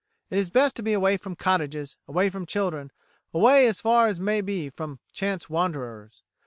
It is best to be away from cottages, away from children, away as far as may be from chance wanderers.